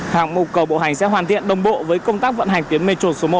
hạng mục cầu bộ hành sẽ hoàn thiện đồng bộ với công tác vận hành tuyến metro số một